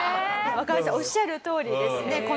若林さんおっしゃるとおりですね